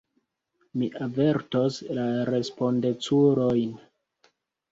Mi avertos la respondeculojn.